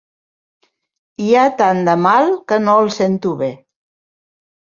Hi ha tant de mal que no el sento bé.